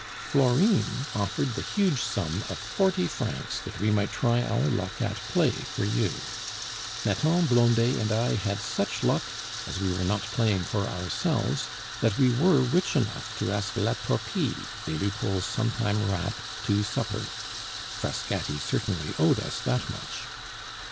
Florine offered the huge sum of forty francs, that we might try our luck at play for you. Nathan, Blondet, and I had such luck (as we were not playing for ourselves) that we were rich enough to ask La Torpille, des Lupeaulx's sometime 'rat,' to supper. Frascati certainly owed us that much.